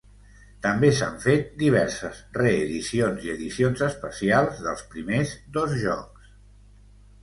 També s'han fet diverses reedicions i edicions especials dels primers dos jocs.